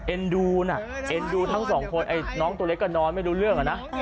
เอ็นดูน่ะเอ็นดูทั้ง๒คนเอ้ยน้องตัวเล็กกับน้องไม่รู้เรื่องนะ